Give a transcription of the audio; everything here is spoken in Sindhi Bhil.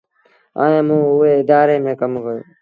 ائيٚݩ موݩ اُئي ادآري ميݩ ڪم ڪيو۔